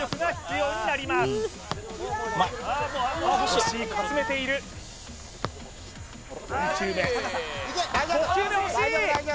惜しいかすめている５球目惜しい！